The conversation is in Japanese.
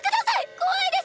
怖いです！